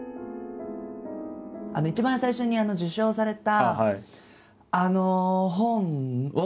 一番最初に受賞された本を。